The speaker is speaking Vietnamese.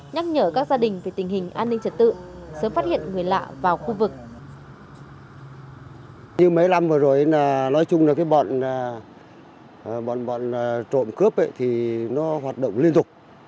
nhắc nhở các gia đình về tình hình an ninh trật tự sớm phát hiện người lạ vào khu vực